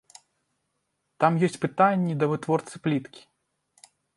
Там ёсць пытанні да вытворцы пліткі.